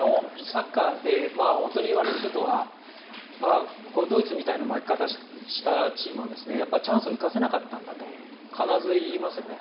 サッカーで本当に言われることはドイツみたいな負け方をしたチームはやっぱりチャンスを生かせなかったんだと必ず言いますよね。